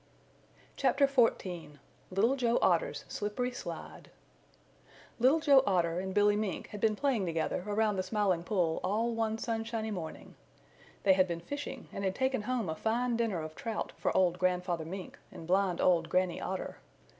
CHAPTER XIV LITTLE JOE OTTER'S SLIPPERY SLIDE Little Joe Otter and Billy Mink had been playing together around the Smiling Pool all one sunshiny morning. They had been fishing and had taken home a fine dinner of Trout for old Grandfather Mink and blind old Granny Otter.